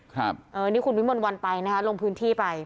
ครับนี่คุณวิมวลวันไปนะครับลงพื้นที่ไป